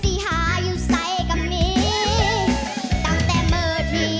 สิไปทางได้กล้าไปน้องบ่ได้สนของพ่อสำนี